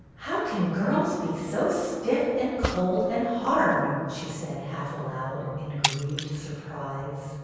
" How can girls be so stiff and cold and hard ?" she said half aloud, in grieved sur prise.